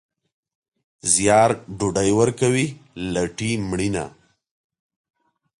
زیار ډوډۍ ورکوي، لټي مړینه.